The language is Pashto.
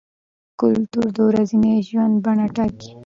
کلتور د ورځني ژوند بڼه ټاکي.